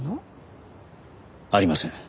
ありません。